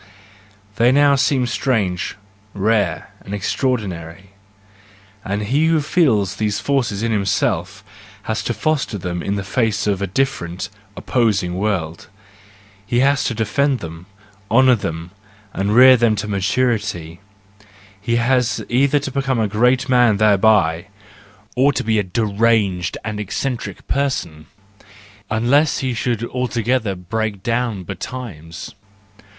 They now seem strange, rare, and extra¬ ordinary : and he who feels these forces in himself has to foster them in face of a different, opposing world; he has to defend them, honour them, and rear them to maturity: and he either becomes a great man thereby, or a deranged and eccentric person, unless he should altogether break down betimes.